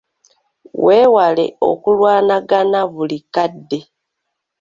Weewale okulwanagana buli kadde.